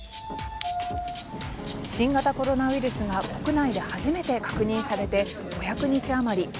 新型コロナウイルスが国内で初めて確認されて５００日余り。